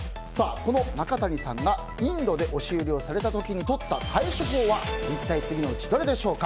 中谷さんがインドで押し売りをされた時にとった対処法は一体次のうちどれでしょうか？